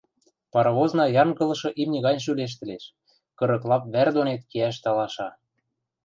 Паровозна янгылышы имни гань шӱлештӹлеш, кырык лап вӓр донет кеӓш талаша.